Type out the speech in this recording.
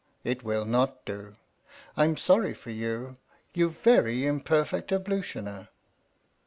It will not do, I'm sorry for you, You very imperfect ablutioner